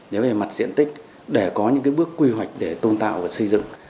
nếu về mặt diện tích để có những cái bước quy hoạch để tôn tạo và xây dựng